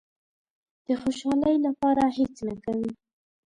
د خوشالۍ لپاره هېڅ نه کوي.